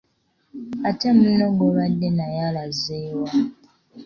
Ate munno gw'obadde naye alaze wa?